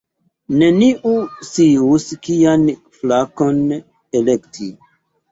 Neniu scius kian flankon elekti.